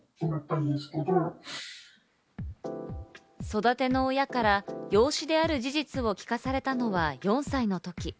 育ての親から養子である事実を聞かされたのは４歳のとき。